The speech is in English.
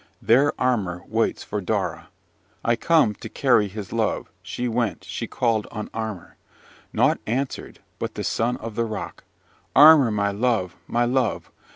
There Armar waits for Daura. I come to carry his love! she went she called on Armar. Nought answered, but the son of the rock. Armar, my love, my love!